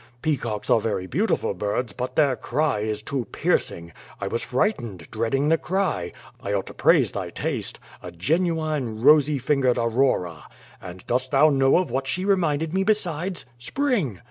Peacocks are very beautiful birds, but their cry is too piercing. I was frightened, dreading the cry. I ought to praise thy taste. A genuine *rosy fingered Aurora.^ And dost thou know of what she reminded me besides? — Spring!